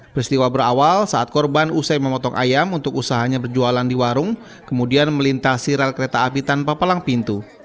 peristiwa berawal saat korban usai memotong ayam untuk usahanya berjualan di warung kemudian melintasi rel kereta api tanpa palang pintu